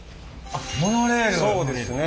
あっそうですね。